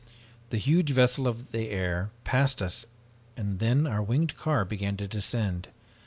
"The huge vessel of the air passed us and then our winged car began to descend.